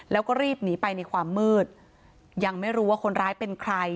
แล้วก็รีบหนีไปในความมืดยังไม่รู้ว่าคนร้ายเป็นใคร